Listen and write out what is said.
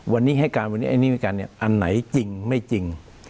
วันนี้ให้การวันนี้ไอ้นี่ให้การเนี่ยอันไหนจริงไม่จริง